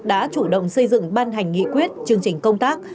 đã chủ động xây dựng ban hành nghị quyết chương trình công tác